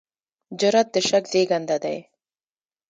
جرئت د شک زېږنده دی.